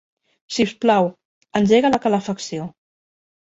Si us plau, engega la calefacció.